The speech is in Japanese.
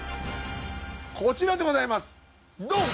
こちらでございますドン！